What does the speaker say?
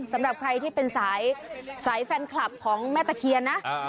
สำหรับใครที่เป็นสายแฟนคลับของแม่ตะเคียนนะ